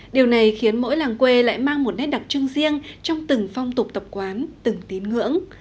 điều này khiến mỗi làng quê lại mang một nét đặc trưng riêng trong từng phong tục tập quán từng tín ngưỡng